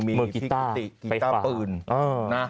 มีพี่ติกีต้าปืน